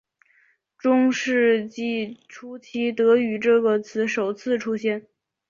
中世纪初期德语这个词首次出现。